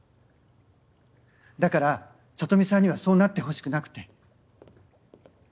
だからサトミさんにはそうなってほしくなくて。